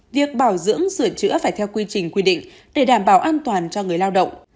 việc bảo dưỡng sửa chữa phải theo quy trình quy định để đảm bảo an toàn cho người lao động